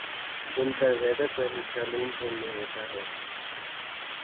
جن کا زیادہ تر حصہ مون سون میں ہوتا ہے